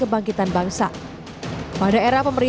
terima kasih kepada pak jokowi